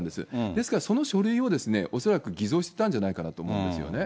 ですから、その書類を恐らく偽造してたんじゃないかと思うんですよね。